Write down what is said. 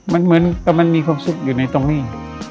มันเหมือนกับมันมีความสุขอยู่ในตรงนี้